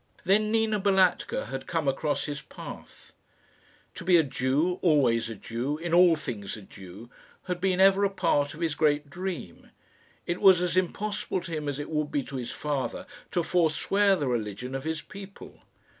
Then Nina Balatka had come across his path. To be a Jew, always a Jew, in all things a Jew, had been ever a part of his great dream. It was as impossible to him as it would be to his father to forswear the religion of his people.